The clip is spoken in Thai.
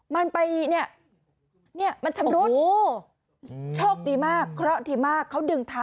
มันไปเนี่ยมันชำรุด